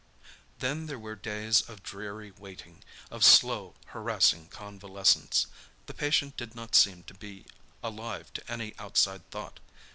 Then there were days of dreary waiting, of slow, harassing convalescence. The patient did not seem to be alive to any outside thought.